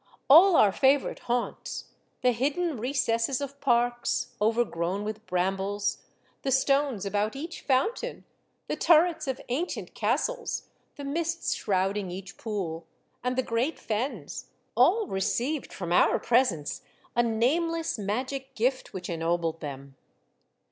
All our favorite haunts, the hidden recesses of parks, overgrown with brambles, the stones about each fountain, the turrets of ancient castles, the mists shrouding each pool, and the great fens, all received from our presence a nameless magic gift which ennobled them.